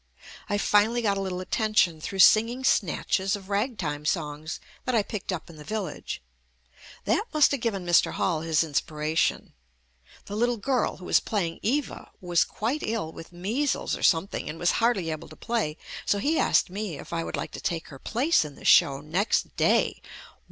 I finally got a little attention through singing JUST ME snatches of ragtime songs that I picked up in the village. That must have given Mr. Hall his inspiration. The little girl, who was play ing Eva, was quite ill with measles or some thing and was hardly able to play, so he asked me if I would like to take her place in the show next day.